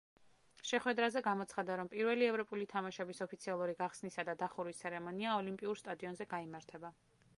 შეხვედრაზე გამოცხადდა, რომ პირველი ევროპული თამაშების ოფიციალური გახსნისა და დახურვის ცერემონია ოლიმპიურ სტადიონზე გაიმართება.